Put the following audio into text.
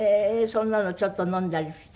そんなのちょっと飲んだりして。